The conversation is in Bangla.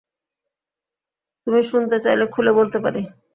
তুমি শুনতে চাইলে খুলে বলতে পারি।